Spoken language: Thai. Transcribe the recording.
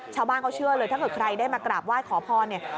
ชาวบ้านเขาเชื่อเลยถ้าเกิดใครได้มากราบไหว้ขอพรเนี่ย